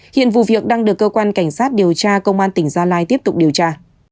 hiện vụ việc đang được cơ quan cảnh sát điều tra công an tỉnh gia lai tiếp tục điều tra